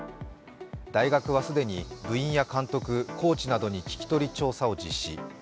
大学は既に部員や監督、コーチなどに聞き取り調査を実施。